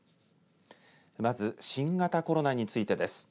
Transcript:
まず、新型コロナについてです。